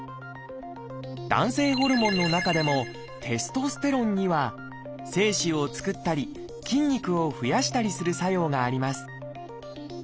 男性ホルモンの中でも「テストステロン」には精子を作ったり筋肉を増やしたりする作用があります。